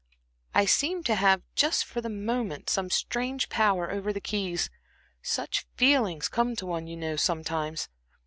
I seemed to have, just for the moment, some strange power over the keys such feelings come to one, you know, sometimes.